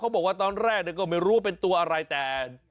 บอกว่าตอนแรกก็ไม่รู้ว่าเป็นตัวอะไรแต่